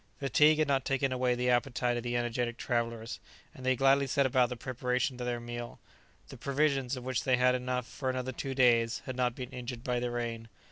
Fatigue had not taken away the appetite of the energetic travellers, and they gladly set about the preparation of their meal. The provisions, of which they had enough for another two days, had not been injured by the rain.